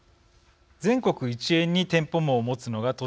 全国一円に店舗網を持つのが都市銀行です。